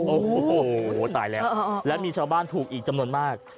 โอ้โหตายแล้วแล้วมีชาวบ้านถูกอีกจำนวนมาก